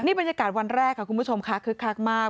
บรรยากาศวันแรกค่ะคุณผู้ชมค่ะคึกคักมาก